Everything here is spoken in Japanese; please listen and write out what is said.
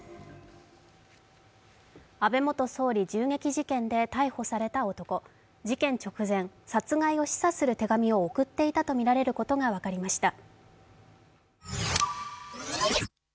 安倍元総理銃撃事件で逮捕された男、事件直前、殺害を示唆する手紙を送っていたとみられることが分かりました。